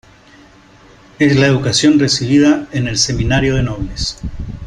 es la educación recibida en el Seminario de Nobles.